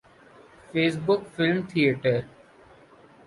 face book film theatre